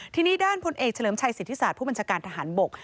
ทีนี้ด้านพลเอกเฉลิมชัยสิทธิศาสตร์ผู้บัญชาการทหารบก